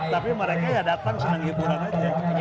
tapi mereka ya datang senang hiburan aja